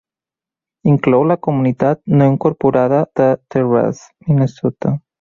Inclou la comunitat no incorporada de Terrace, Minnesota.